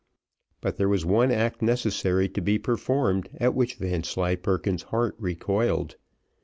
But there was one act necessary to be performed at which Vanslyperken's heart recoiled.